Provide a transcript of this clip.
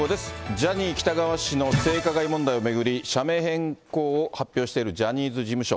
ジャニー喜多川氏の性加害問題を巡り、社名変更を発表しているジャニーズ事務所。